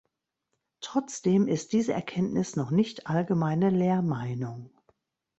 Trotzdem ist diese Erkenntnis noch nicht allgemeine Lehrmeinung.